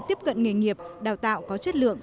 tiếp cận nghề nghiệp đào tạo có chất lượng